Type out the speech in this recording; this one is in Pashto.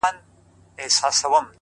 او په وجود كي مي!!